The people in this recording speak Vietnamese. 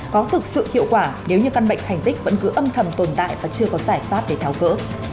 có thực sự hiệu quả nếu như căn bệnh thành tích vẫn cứ âm thầm tồn tại và chưa có giải pháp để tháo gỡ